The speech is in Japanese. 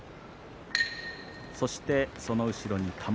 そして、その後ろに玉鷲。